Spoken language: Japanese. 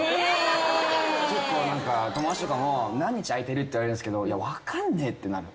友達とかも「何日空いてる？」って言われんすけど分かんねえってなる。